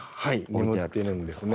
眠ってるんですね。